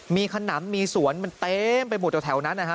มีขนำมีสวนมันเต็มไปหมดแถวนั้นนะฮะ